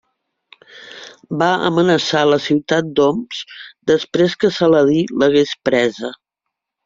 Va amenaçar la ciutat d'Homs, després que Saladí l'hagués presa.